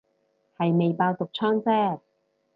係未爆毒瘡姐